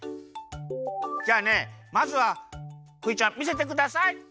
じゃあねまずはクイちゃんみせてください。